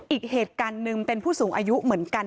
อีกเหตุการณ์หนึ่งเป็นผู้สูงอายุเหมือนกัน